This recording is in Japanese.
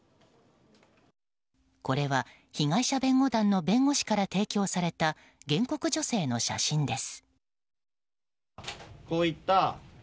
これは被害者弁護団の弁護士から提供された原告女性の写真です。